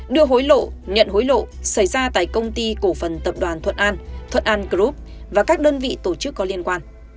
đưa hối lộ nhận hối lộ xảy ra tại công ty cổ phần tập đoàn thuận an thuận an group và các đơn vị tổ chức có liên quan